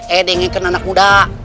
eh denginkan anak muda